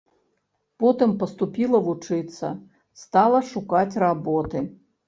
Потым паступіла вучыцца, стала шукаць работы.